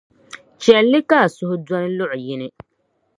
Chɛli li ka a suhu doni luɣ’ yini.